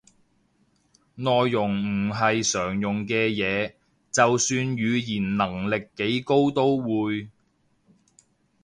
內容唔係常用嘅嘢，就算語言能力幾高都會